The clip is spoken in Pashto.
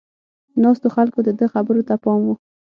ناستو خلکو د ده خبرو ته پام و.